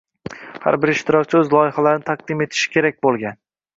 Har bir ishtirokchi o‘z loyihalarini taqdim etishi kerak bo'lgan.